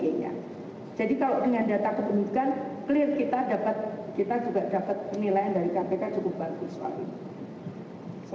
clear kita dapat kita juga dapat penilaian dari kpk cukup bagus